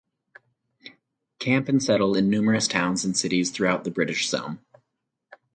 Camp and settle in numerous towns and cities throughout the British Zone.